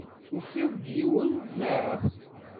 Tufid-d yiwen, naɣ?